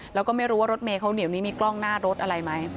แล้วก็ไม่รู้ว่ารถเมย์เขาเดี๋ยวนี้มีกล้องหน้ารถอะไรไหม